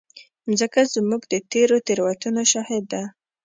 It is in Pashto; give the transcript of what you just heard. مځکه زموږ د تېرو تېروتنو شاهد ده.